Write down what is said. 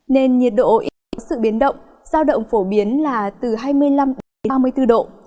nền nhiệt độ yếu của sự biến động giao động phổ biến là từ hai mươi năm đến ba mươi bốn độ